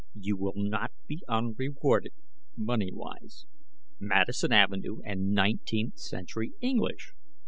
'You will not be unrewarded, moneywise.' Madison Avenue and Nineteenth Century English...."